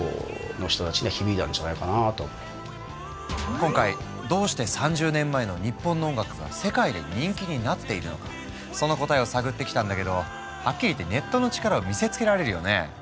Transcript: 今回どうして３０年前の日本の音楽が世界で人気になっているのかその答えを探ってきたんだけどはっきり言ってネットの力を見せつけられるよね。